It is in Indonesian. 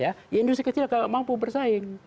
maksud saya apakah industri itu juga mampu bersaing